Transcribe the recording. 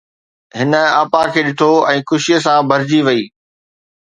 هن آپا کي ڏٺو ۽ خوشيءَ سان ڀرجي وئي.